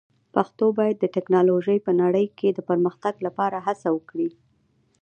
پښتو باید د ټکنالوژۍ په نړۍ کې د پرمختګ لپاره هڅه وکړي.